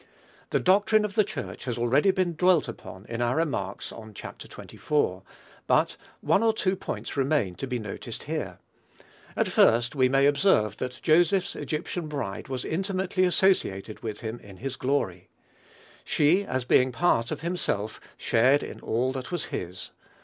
The doctrine of the Church has already been dwelt upon in our remarks on Chapter xxiv., but one or two points remain to be noticed here. And first, we may observe that Joseph's Egyptian bride was intimately associated with him in his glory. She, as being part of himself, shared in all that was his.